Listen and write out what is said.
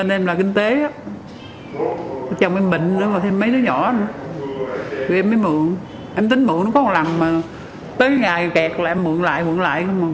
em tính mượn nó có một lần mà tới ngày kẹt là em mượn lại mượn lại